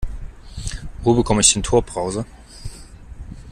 Wo bekomme ich den Tor-Browser?